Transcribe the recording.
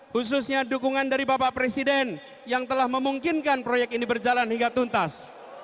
khususnya dukungan dari bapak presiden yang telah memungkinkan proyek ini berjalan hingga tuntas